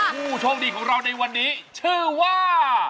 ผู้โชคดีของเราในวันนี้ชื่อว่า